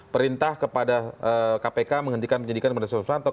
perintah kepada kpk menghentikan penyidikan kepada sian afan tauh